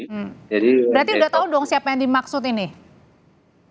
berarti udah tahu dong siapa yang dimaksud ini